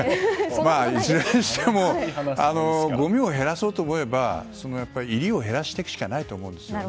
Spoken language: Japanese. それにしてもごみを減らそうと思えば入りを減らしていくしかないと思うんですよね。